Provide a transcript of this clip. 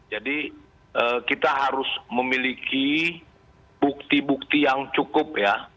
jadi kita harus memiliki bukti bukti yang cukup ya